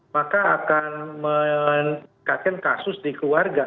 maka akan meningkatkan kasus di keluarga